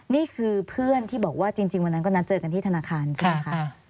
นี่คือเพื่อนที่บอกว่าจริงวันนั้นก็นัดเจอกันที่ธนาคารใช่ไหมคะ